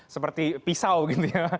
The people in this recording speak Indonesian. seperti pisau gitu ya